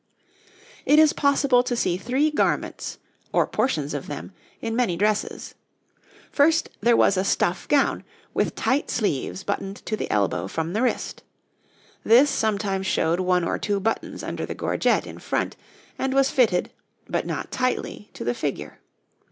It is possible to see three garments, or portions of them, in many dresses. First, there was a stuff gown, with tight sleeves buttoned to the elbow from the wrist; this sometimes showed one or two buttons under the gorget in front, and was fitted, but not tightly, to the figure.